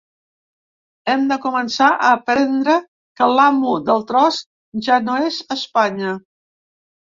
Hem de començar a aprendre que l’amo del tros ja no és Espanya.